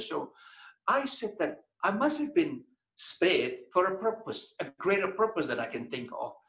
saya berkata saya harus selamatkan untuk tujuan yang lebih besar yang saya bisa pikirkan